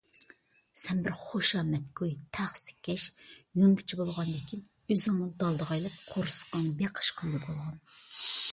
سەن بىر خۇشامەتگۇي - تەخسىكەش، يۇندىچى بولغاندىكىن ئۆزۈڭنى دالدىغا ئېلىپ قورسىقىڭنى بېقىش كويىدا بولغىن.